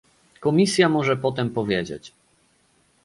Komisja może potem powiedzieć